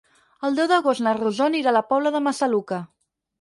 El deu d'agost na Rosó anirà a la Pobla de Massaluca.